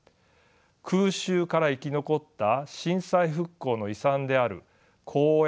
空襲から生き残った震災復興の遺産である公園